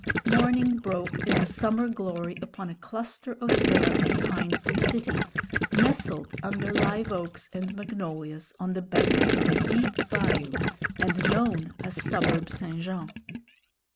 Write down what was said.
Morning broke in summer glory upon a cluster of villas behind the city, nestled under live oaks and magnolias on the banks of a deep bayou, and known as Suburb St. Jean.